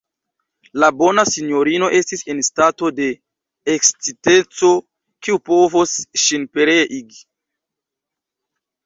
La bona sinjorino estis en stato de eksciteco, kiu povos ŝin pereigi.